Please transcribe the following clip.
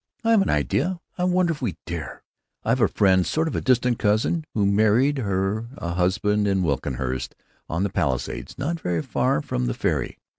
"I have an idea. I wonder if we dare——I have a friend, sort of a distant cousin, who married her a husband at Winklehurst, on the Palisades, not very far from the ferry.